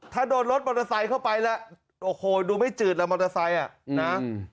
ถ้าโดนรถมอเตอร์ไซค์เข้าไปแล้วโอ้โหดูไม่จืดแล้วมอเตอร์ไซค์อ่ะนะ